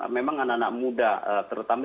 memang anak anak muda terutama